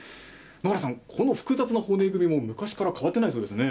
野原さん、この複雑な骨組みも昔から変わってないそうですね。